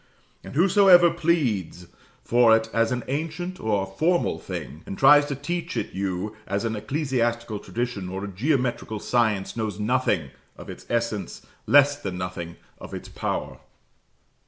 And whosoever pleads for it as an ancient or a formal thing, and tries to teach it you as an ecclesiastical tradition or a geometrical science, knows nothing of its essence, less than nothing of its power.